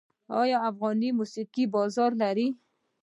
آیا افغاني موسیقي بازار لري؟